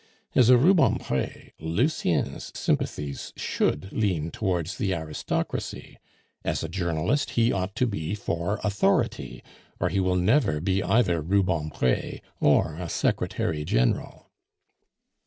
As a Rubempre, Lucien's sympathies should lean towards the aristocracy; as a journalist, he ought to be for authority, or he will never be either Rubempre or a secretary general."